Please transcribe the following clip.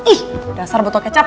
ih dasar botol kecap